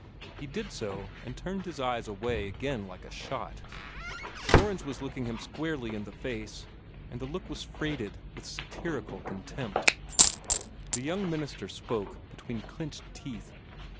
He did so, and turned his eyes away again like a shot. Gorringe was looking him squarely in the face, and the look was freighted with satirical contempt. The young minister spoke between clinched teeth.